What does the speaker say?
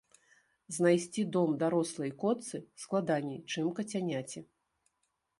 Знайсці дом дарослай котцы складаней, чым кацяняці.